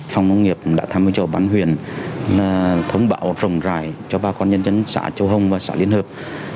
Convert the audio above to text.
phòng ngoại nghiệp đã tham gia cho bán huyền thông báo rồng rải cho ba con nhân dân xã châu hồng và xã liên hợp